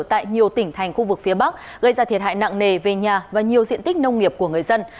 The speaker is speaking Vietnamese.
tại nhiều tỉnh thành khu vực phía bắc gây ra thiệt hại nặng nề về nhà và nhiều diện tích nông nghiệp của người dân